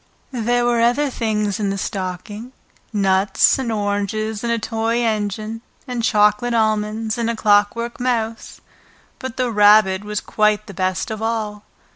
There were other things in the stocking, nuts and oranges and a toy engine, and chocolate almonds and a clockwork mouse, but the Rabbit was quite the best of all.